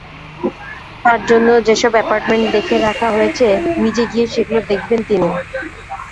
তাঁর জন্য যেসব অ্যাপার্টমেন্ট দেখে রাখা হয়েছে নিজে গিয়ে সেগুলো দেখবেন তিনি।